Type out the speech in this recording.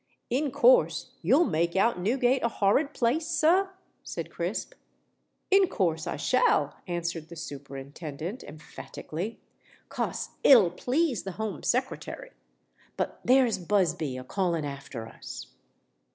"In course you'll make out Newgate a horrid place, sir?" said Crisp. "In course I shall," answered the Superintendent, emphatically; "'cos it'll please the Home Secretary. But there's Busby a calling after us."